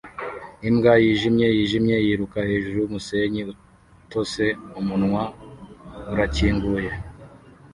Imbwa yijimye yijimye yiruka hejuru yumusenyi utose umunwa urakinguye